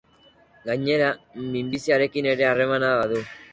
Gainera, minbiziarekin ere harremana badu.